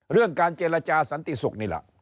เรื่องการเจรจาสันติศุกร์นี่แหละ